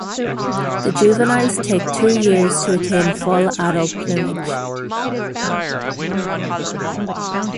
The juveniles take two years to attain full adult plumage.